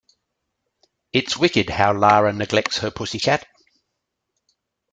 It's wicked how Lara neglects her pussy cat.